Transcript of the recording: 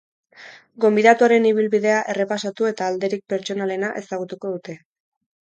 Gonbidatuaren ibilbidea errepasatu eta alderik pertsonalena ezagutuko dute.